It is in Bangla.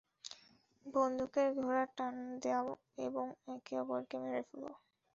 বন্দুকের ঘোড়া টান দাও এবং একে অপরকে মেরে ফেলো।